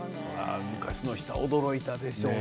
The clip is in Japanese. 昔の人は驚いたでしょうね